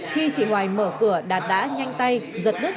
khi chị hoài mở cửa đạt đã nhanh tay giật đất